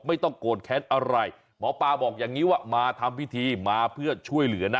ไม่ต้องโกรธแค้นอะไรหมอปลาบอกอย่างนี้ว่ามาทำพิธีมาเพื่อช่วยเหลือนะ